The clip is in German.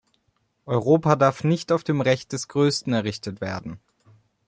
Europa darf nicht auf dem Recht des Größten errichtet werden.